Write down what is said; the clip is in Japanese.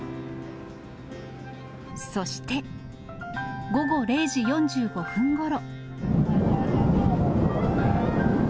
そして、午後０時４５分ごろ。